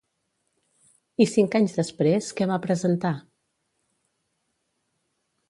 I cinc anys després, què va presentar?